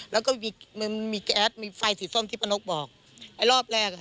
แล้วก็มีมันมีแก๊สมีไฟสีส้มที่ป้านกบอกไอ้รอบแรกอ่ะ